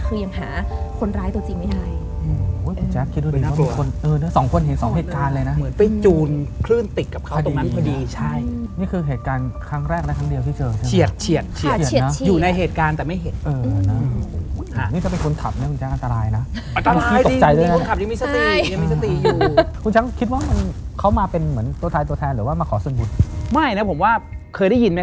คือยังหาคนร้ายตัวจริงไม่ได้